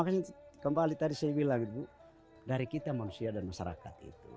makanya kembali tadi saya bilang ibu dari kita manusia dan masyarakat itu